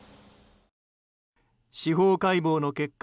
司法解剖の結果